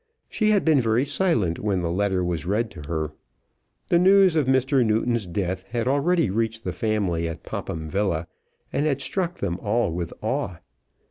She had been very silent when the letter was read to her. The news of Mr. Newton's death had already reached the family at Popham Villa, and had struck them all with awe.